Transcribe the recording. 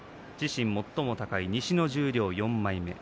自身最も高い西の十両４枚目。